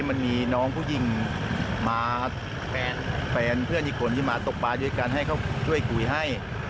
มันมีน้องผู้หญิงมาแฟนเพื่อนอีกคนที่มาตกปลาด้วยกันให้เขาช่วยคุยให้